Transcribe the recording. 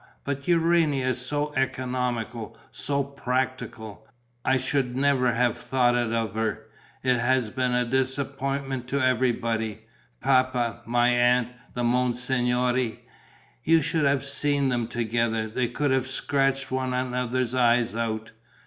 But Urania is so economical, so practical! I should never have thought it of her. It has been a disappointment to everybody: Papa, my aunt, the monsignori. You should have seen them together. They could have scratched one another's eyes out.